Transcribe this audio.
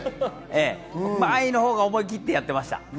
茉愛のほうが思い切ってやっていました。